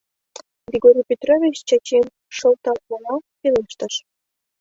Григорий Петрович Чачим шылталымыла пелештыш: